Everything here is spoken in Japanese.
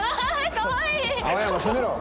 かわいいよ。